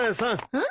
うん？